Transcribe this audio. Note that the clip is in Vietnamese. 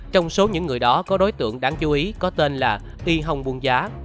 trong số những người đó có đối tượng đáng chú ý có tên là y hồng buôn giá